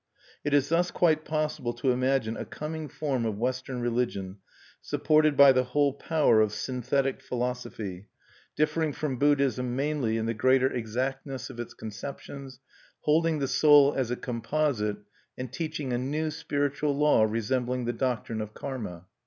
It is thus quite possible to imagine a coming form of Western religion supported by the whole power of synthetic philosophy, differing from Buddhism mainly in the greater exactness of its conceptions, holding the soul as a composite, and teaching a new spiritual law resembling the doctrine of karma.